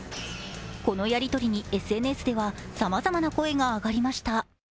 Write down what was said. このやり取りにＳＮＳではさまざまな声が上がりました。